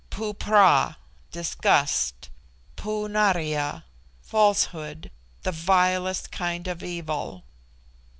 Poo pra, disgust; Poo naria, falsehood, the vilest kind of evil.